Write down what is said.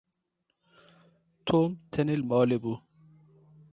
Tom tenê li malê bû.